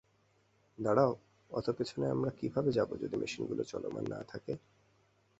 দাঁড়াও, অত পেছনে আমরা কীভাবে যাবো যদি মেশিনগুলো চলমান না থাকে?